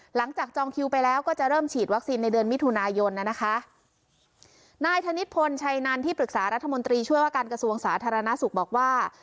จองคิวไปแล้วก็จะเริ่มฉีดวัคซีนในเดือนมิถุนายนน่ะนะคะนายธนิษฐพลชัยนันที่ปรึกษารัฐมนตรีช่วยว่าการกระทรวงสาธารณสุขบอกว่า